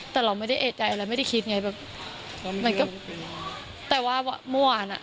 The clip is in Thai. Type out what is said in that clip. แต่เราไม่ได้เอกใจอะไรไม่ได้คิดไงแบบมันก็แต่ว่าเมื่อวานอ่ะ